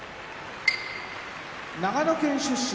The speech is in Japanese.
長野県出身